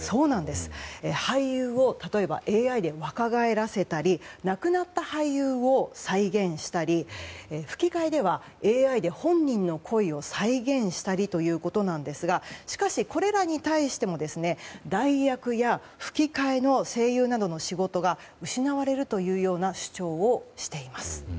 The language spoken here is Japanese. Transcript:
俳優を例えばＡＩで若返らせたり亡くなった俳優を再現したり吹き替えでは、ＡＩで本人の声を再現したりということなんですがしかし、これらに対しても代役や吹き替えの声優などの仕事が失われるというような主張をしています。